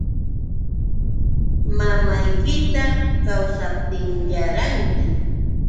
Mamaykita kawsaptinyarpanki.